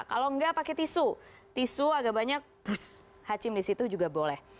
kalau nggak pakai tisu tisu agak banyak hacm di situ juga boleh